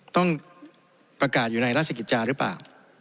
ต้องประกาศอยู่ในราชกิจจาหรือเปล่า